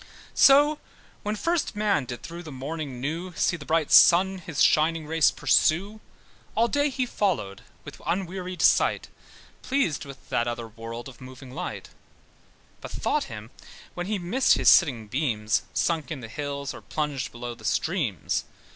So when first man did through the morning new See the bright sun his shining race pursue, All day he followed with unwearied sight, Pleased with that other world of moving light; But thought him when he missed his setting beams, Sunk in the hills, or plunged below the streams.